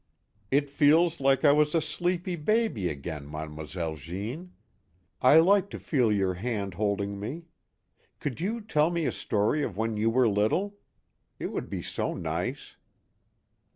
" It feels like I was a sleepy baby again, Made n6 moiselle Jeanne. I like to feel your hand hold ing me. Could you tell me a story of when you were little ? It would be so nice."